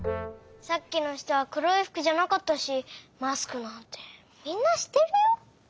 さっきの人はくろいふくじゃなかったしマスクなんてみんなしてるよ？